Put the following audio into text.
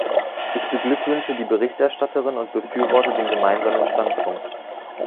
Ich beglückwünsche die Berichterstatterin und befürworte den Gemeinsamen Standpunkt.